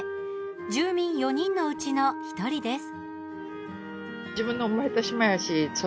住民４人のうちの１人です。